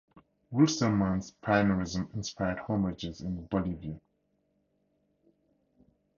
Wilstermann's pioneerism inspired homages in Bolivia.